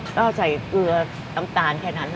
ก็ใส่เกลือน้ำตาลแค่นั้น